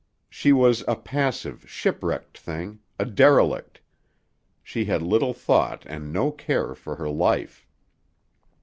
She was a passive, shipwrecked thing a derelict. She had little thought and no care for her life.